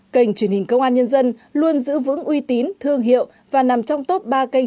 kênh truyền hình công an nhân dân luôn giữ vững uy tín thương hiệu và nằm trong top ba kênh